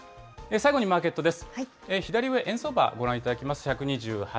最後にマーケットです。